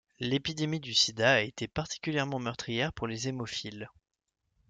L'épidémie du sida a été particulièrement meurtrière pour les hémophiles.